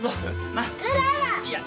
なっ。